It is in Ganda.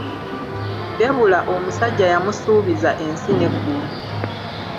Debula omusajja yamusuubiza ensi n'eggulu.